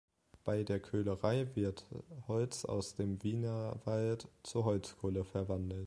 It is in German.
Bei der Köhlerei wird Holz aus dem Wienerwald zu Holzkohle verwandelt.